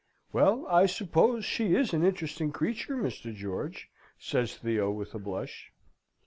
"Well, I suppose she is an interesting creature, Mr. George?" says Theo, with a blush.